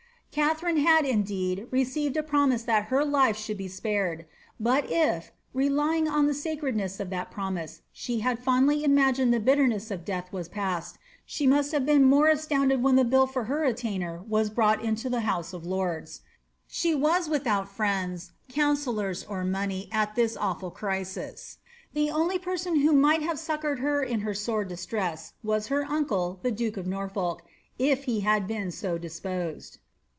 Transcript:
Katharine liad, indeed, received a promise that her life should be spared ; but if. relying on the sacrcdness of that promise, she had fondly imagined the bitterness of death was passed, she must have been the more astounded wlien the bill for her atuiinder was brought into the house of lords. She was without friends, counsellors, or money, at this awful crisis. The only person who mifrht have succoured her in her sore distress was her uncle, the duke of Norfolk, if he had been so disposed.